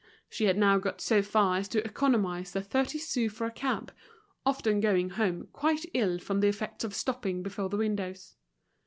She had now got so far as to economize the thirty sous for a cab, often going home quite ill from the effects of stopping before the windows.